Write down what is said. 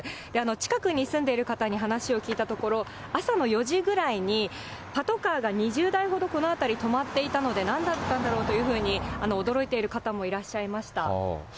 近くに住んでいる方に話を聞いたところ、朝の４時ぐらいにパトカーが２０台ほど、この辺り止まっていたので、なんだったんだろうというふうに驚いている方もいらっしゃいました。